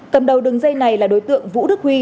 cầm đầu đường dây này là đối tượng vũ đức huy